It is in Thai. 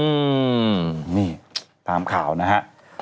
อืมนี่ตามข่าวนะฮะ